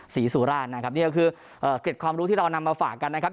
ศรีสุราชนะครับนี่ก็คือเกร็ดความรู้ที่เรานำมาฝากกันนะครับ